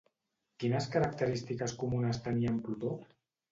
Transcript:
Quines característiques comunes tenia amb Plutó?